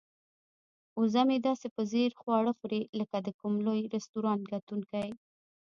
وزه مې داسې په ځیر خواړه خوري لکه د کوم لوی رستورانت کتونکی.